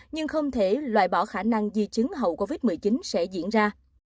nhưng không thể loại bỏ khả năng di chứng hậu covid một mươi chín sẽ diễn ra